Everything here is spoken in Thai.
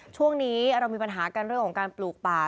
ช่วงนี้เรามีปัญหากันเรื่องของการปลูกป่า